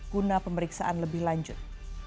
guna pemeriksaan lebih lanjut